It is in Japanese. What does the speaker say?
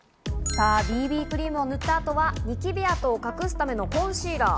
さあ、ＢＢクリームを塗った後は、ニキビ跡を隠すためのコンシーラー。